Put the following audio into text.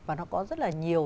và nó có rất là nhiều